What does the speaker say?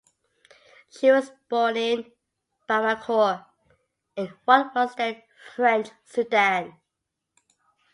She was born in Bamako in what was then French Sudan.